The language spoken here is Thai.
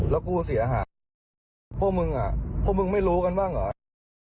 แล้วกูเสียหายพวกมึงอ่ะพวกมึงไม่รู้กันบ้างเหรอ